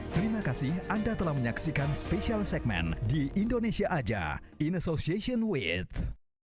terima kasih anda telah menyaksikan special segmen di indonesia aja in association with